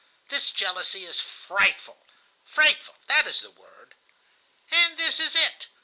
This jealousy is frightful. Frightful, that is the word. "And this is it.